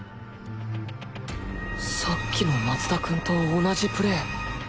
さっきの松田君と同じプレー。